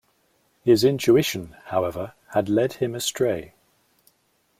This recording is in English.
His intuition, however, had led him astray.